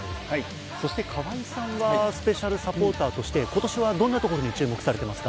そして河合さんは、スペシャルサポーターとして今年はどんなところに注目されてますか？